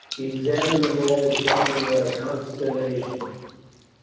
He examined them all with something like consternation.